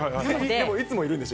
でも、いつもいるんでしょ？